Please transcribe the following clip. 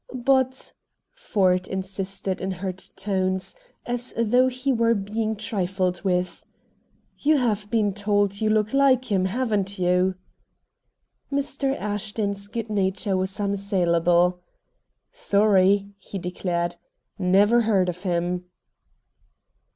"But," Ford insisted in hurt tones, as though he were being trifled with, "you have been told you look like him, haven't you?" Mr. Ashton's good nature was unassailable. "Sorry," he declared, "never heard of him."